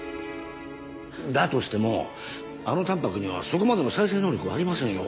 だとしてもあのタンパクにはそこまでの再生能力はありませんよ。